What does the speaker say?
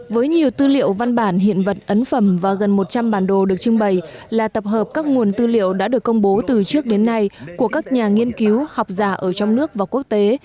với nhiều tư liệu văn bản hiện vật ấn phẩm và gần một trăm linh bản đồ được trưng bày là tập hợp các nguồn tư liệu đã được công bố từ trước đến nay của các nhà nghiên cứu học giả ở trong nước và quốc tế